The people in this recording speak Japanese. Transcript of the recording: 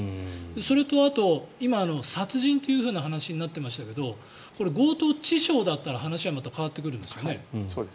それと、今、殺人という話になっていましたがこれ、強盗致傷だったら話は変わってくるんですよね。